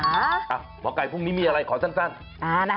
หมอไก่พรุ่งนี้มีอะไรขอสั้น